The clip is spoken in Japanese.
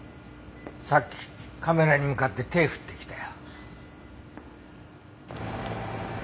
さっきカメラに向かって手振ってきたよ。